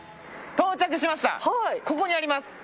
ここにあります。